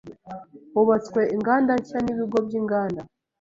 Hubatswe inganda nshya n’ibigo by’inganda.